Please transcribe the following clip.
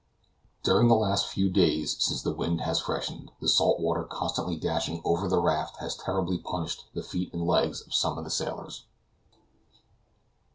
During the last few days, since the wind has freshened, the salt water constantly dashing over the raft has terribly punished the feet and legs of some of the sailors.